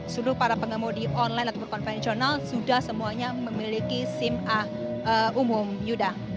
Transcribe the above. seluruh para pengemudi online ataupun konvensional sudah semuanya memiliki sim a umum yuda